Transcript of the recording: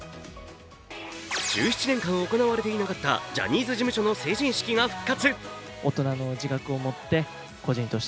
１７年間行われていなかったジャニーズ事務所の成人式が復活。